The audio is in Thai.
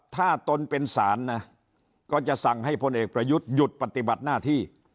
ถ้าตนเป็นศาลนะก็จะสั่งให้พลเอกประยุทธ์หยุดปฏิบัติหน้าที่